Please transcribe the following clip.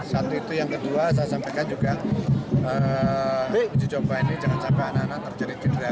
satu itu yang kedua saya sampaikan juga uji coba ini jangan sampai anak anak terjadi cedera